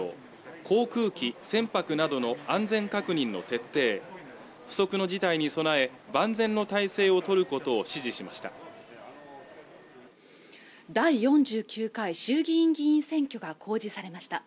航空機、船舶などの安全確認の徹底不測の事態に備え万全の態勢を取ることを指示しました第４９回衆議院議員選挙が公示されました